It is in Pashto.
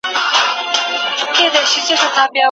بيا به يې خپه اشنا